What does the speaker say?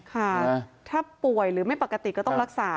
ค่ะถ้าป่วยหรือไม่ปกติก็ต้องรักษา